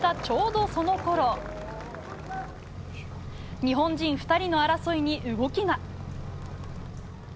ちょうどそのころ日本人２人の争いに動きが。